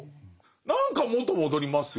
何か元戻りますよね。